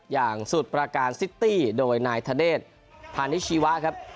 อย่างสุดประการซิตี้โดยนายธเดชพานิชีวะครับ